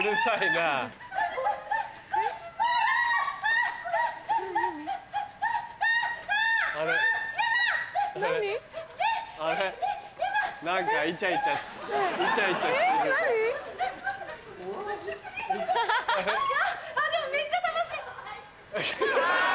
でもめっちゃ楽しい。